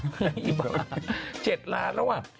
ไอ้บ้า๗ล้านแล้วอ่ะ